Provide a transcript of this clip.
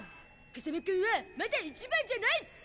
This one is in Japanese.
風間君は、まだ一番じゃない。